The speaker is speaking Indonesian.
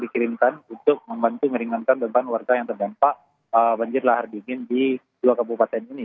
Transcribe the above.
dikirimkan untuk membantu meringankan beban warga yang terdampak banjir lahar dingin di dua kabupaten ini